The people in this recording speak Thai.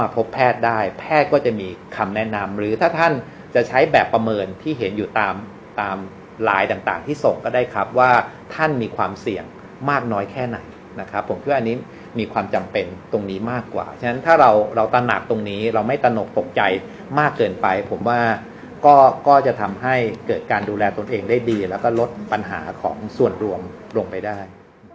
ถ้าท่านจะใช้แบบประเมินที่เห็นอยู่ตามตามลายต่างต่างที่ส่งก็ได้ครับว่าท่านมีความเสี่ยงมากน้อยแค่ไหนนะครับผมคิดว่าอันนี้มีความจำเป็นตรงนี้มากกว่าฉะนั้นถ้าเราเราตระหนักตรงนี้เราไม่ตระหนกตกใจมากเกินไปผมว่าก็ก็จะทำให้เกิดการดูแลตนเองได้ดีแล้วก็ลดปัญหาของส่วนรวมลงไปได้